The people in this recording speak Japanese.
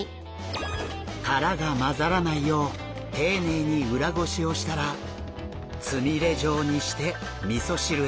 殻が交ざらないよう丁寧に裏ごしをしたらつみれ状にしてみそ汁へ。